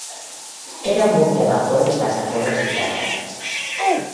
Era un buque a vapor de pasajeros y carga.